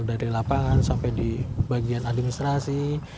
dari lapangan sampai di bagian administrasi